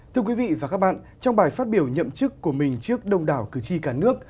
thưa quý vị và các bạn trong bài phát biểu nhậm chức của mình trước đông đảo cử tri cả nước